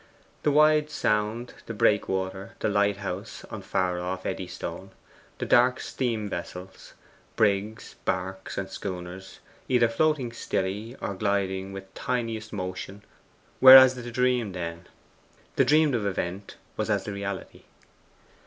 The wide Sound, the Breakwater, the light house on far off Eddystone, the dark steam vessels, brigs, barques, and schooners, either floating stilly, or gliding with tiniest motion, were as the dream, then; the dreamed of event was as the reality.